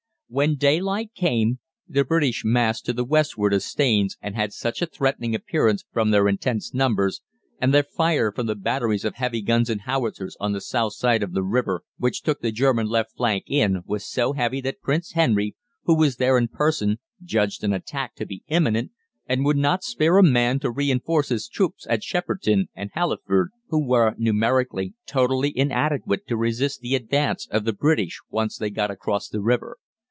"When daylight came the British massed to the westward of Staines had such a threatening appearance from their immense numbers, and their fire from their batteries of heavy guns and howitzers on the south side of the river, which took the German left flank in, was so heavy that Prince Henry, who was there in person, judged an attack to be imminent, and would not spare a man to reinforce his troops at Shepperton and Halliford, who were, numerically, totally inadequate to resist the advance of the British once they got across the river.